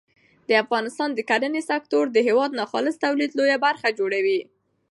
د افغانستان د کرنې سکتور د هېواد د ناخالص تولید لویه برخه جوړوي.